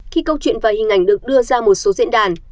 khi câu chuyện và hình ảnh được đưa ra một số diễn đàn